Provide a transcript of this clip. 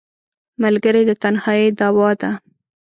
ملګری د تنهایۍ دواء ده